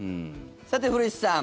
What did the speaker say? さて古市さん